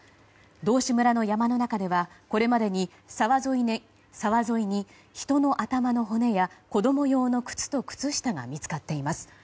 道志村の山の中ではこれまでに沢沿いに人の頭の骨や子供用の靴と靴下が見つかっています。